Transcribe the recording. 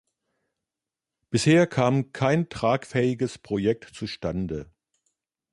Bisher kam kein tragfähiges Projekt zustande.